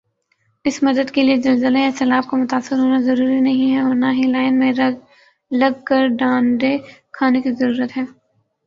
اس مدد کیلئے زلزلہ یا سیلاب کا متاثر ہونا ضروری نہیں ھے اور نہ ہی لائن میں لگ کر ڈانڈے کھانے کی ضرورت ھے